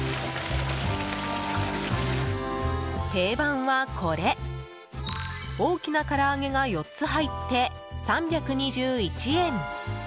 定番はこれ、大きなから揚げが４つ入って３２１円。